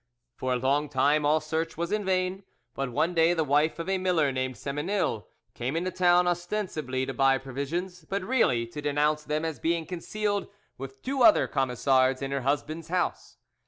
For a long time all search was in vain, but one day the wife of a miller named Semenil came into town ostensibly to buy provisions, but really to denounce them as being concealed, with two other Camisards, in her husband's house.